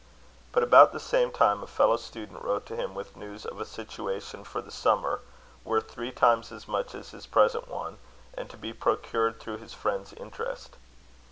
But, about the same time, a fellow student wrote to him with news of a situation for the summer, worth three times as much as his present one, and to be procured through his friend's interest.